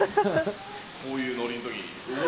こういうノリのとき。